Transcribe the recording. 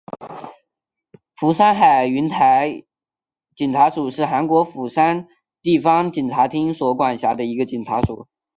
釜山海云台警察署是韩国釜山地方警察厅所管辖的一个警察署。